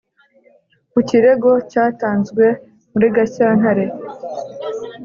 ku kirego cyatanzwe muri gashyantare